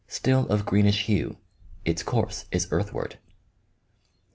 Still of greenish hue. Its course is earthward."